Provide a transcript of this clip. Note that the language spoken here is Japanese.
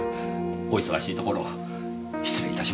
お忙しいところ失礼いたしました。